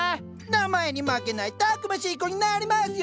名前に負けないたくましい子になりますよ！